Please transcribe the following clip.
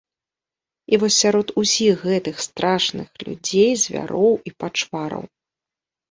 І вось сярод усіх гэтых страшных людзей, звяроў і пачвараў.